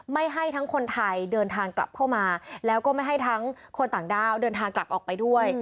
ไม่ให้ทั้งคนไทยเดินทางกลับเข้ามาแล้วก็ไม่ให้ทั้งคนต่างด้าวเดินทางกลับออกไปด้วย